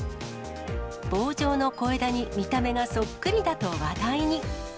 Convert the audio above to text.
棒状の小枝に見た目がそっくりだと話題に。